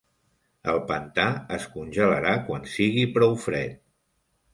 El pantà es congelarà quan sigui prou fred.